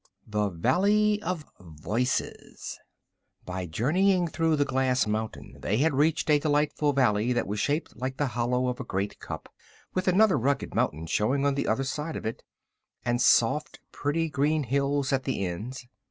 THE VALLEY OF VOICES By journeying through the glass mountain they had reached a delightful valley that was shaped like the hollow of a great cup, with another rugged mountain showing on the other side of it, and soft and pretty green hills at the ends.